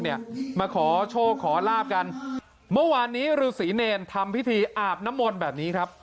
เนี่ยมาขอโชคขอลาบกันเมื่อวานนี้ฤษีเนรทำพิธีอาบน้ำมนต์แบบนี้ครับ